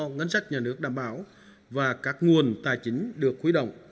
ngân sách nhà nước đảm bảo và các nguồn tài chính được khuy động